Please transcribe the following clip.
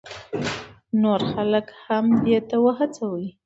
نور خلک هم دې ته وهڅوئ.